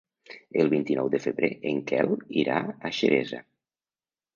El vint-i-nou de febrer en Quel irà a Xeresa.